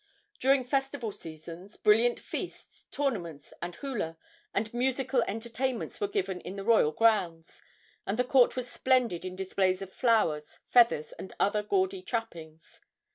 During festival seasons brilliant feasts, tournaments and hula and musical entertainments were given in the royal grounds, and the court was splendid in displays of flowers, feathers and other gaudy trappings.